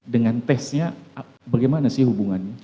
dengan tesnya bagaimana sih hubungannya